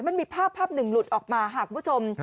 มันมีภาพภาพหนึ่งหลุดออกมาค่ะคุณผู้ชม